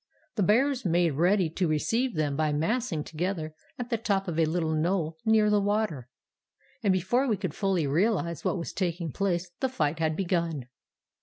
The bears made ready to receive them by massing together at the top of a little knoll near the water, and before we could fully realize what was taking place the fight had begun.